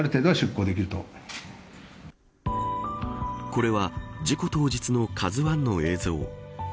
これは事故当日のＫＡＺＵ１の映像。